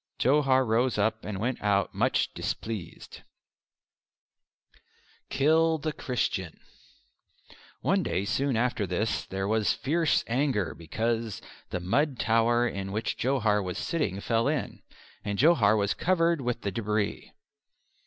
Johar rose up and went out much displeased. "Kill the Christian!" One day soon after this there was fierce anger because the mud tower in which Johar was sitting fell in, and Johar was covered with the debris.